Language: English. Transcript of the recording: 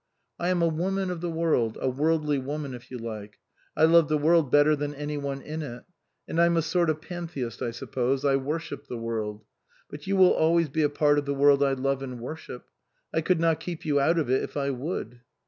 "I am a woman of the world, a worldly woman, if you like. I love the world better than any one in it. And I'm a sort of pan theist, I suppose ; I worship the world. But you will always be a part of the world I love and worship ; I could not keep you out of it if I would."